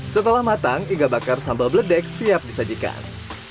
setelah matang iga bakar sambal bledek siap disajikan